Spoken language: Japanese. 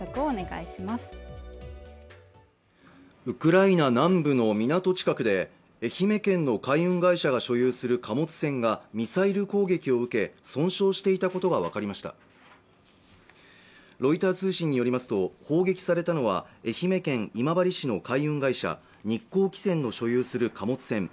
ウクライナ南部の港近くで愛媛県の海運会社が所有する貨物船がミサイル攻撃を受け損傷していたことが分かりましたロイター通信によりますと砲撃されたのは愛媛県今治市の海運会社、日興汽船の所有する貨物船